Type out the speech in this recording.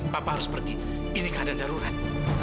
papa harus pergi ini keadaan darurat